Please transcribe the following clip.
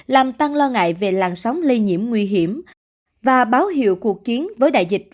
làm tăng lo ngại về làn sóng lây nhiễm nguy hiểm và báo hiệu cuộc chiến với đại dịch